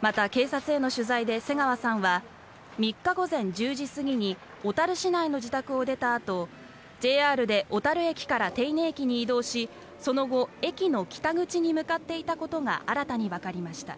また、警察への取材で瀬川さんは３日午前１０時過ぎに小樽市内の自宅を出たあとＪＲで小樽駅から手稲駅に移動しその後駅の北口に向かっていたことが新たにわかりました。